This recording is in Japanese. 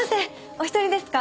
お一人ですか？